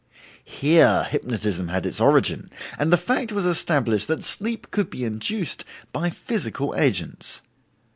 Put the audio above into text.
Here hypnotism had its origin, and the fact was established that sleep could be induced by physical agents.